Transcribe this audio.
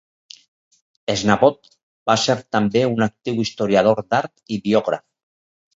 Shadbolt va ser també un actiu historiador d'art i biògraf.